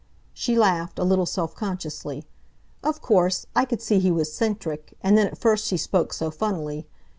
She laughed, a little self consciously. "Of course, I could see he was 'centric, and then at first he spoke so funnily.